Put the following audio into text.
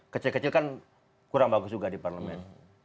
kecil kecil kan kurang bagus juga di parlemen